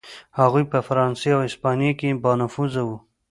هغوی په فرانسې او هسپانیې کې بانفوذه و.